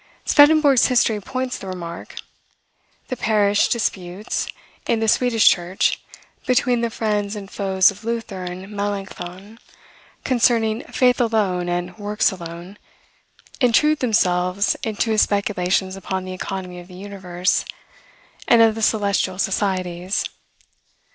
Swedenborg's history points the remark. The parish disputes, in the Swedish church, between the friends and foes of Luther and Melancthon, concerning "faith alone," and "works alone," intrude themselves into his speculations upon the economy of the universe, and of the celestial societies.